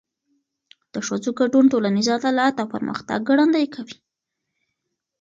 د ښځو ګډون ټولنیز عدالت او پرمختګ ګړندی کوي.